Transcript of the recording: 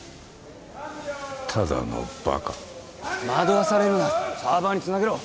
ただのバカ惑わされるなサーバーにつなげろ